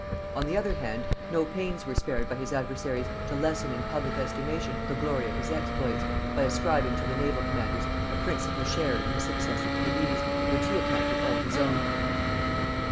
On the other hand, no pains were spared by his adversaries to lessen in public estimation the glory of his exploits, by ascribing to the naval commanders a principal share in the success at Cadiz, which he accounted all his own.